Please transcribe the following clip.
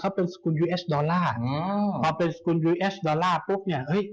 เขาเป็นสกุลยูเอสดอลลาร์พอเป็นสกุลยูเอสดอลลาร์ปุ๊บเนี่ยเฮ้ย